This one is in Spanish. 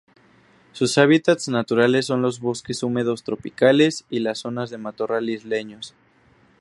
Sus hábitats naturales son los bosques húmedos tropicales y zonas de matorral isleños.